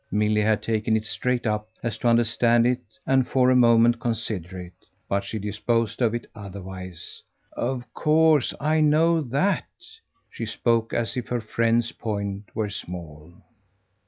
Milly had taken it straight up, as to understand it and for a moment consider it. But she disposed of it otherwise. "Oh of course I know THAT." She spoke as if her friend's point were small.